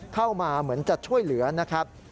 เข้ามาเหมือนจะช่วยเหลือนะครับ